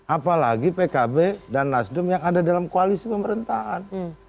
apalagi pkb dan nasdem yang ada dalam koalisi pemerintahan